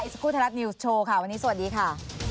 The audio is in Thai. อีซิกุทรรัฐนิวส์โชว์ค่ะวันนี้สวัสดีค่ะ